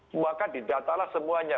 semuanya kan didatalah semuanya